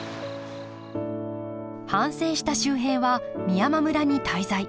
反省した秀平は美山村に滞在。